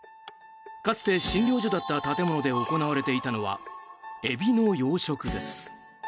かつて診療所だった建物で行われていたのはエビの養殖です。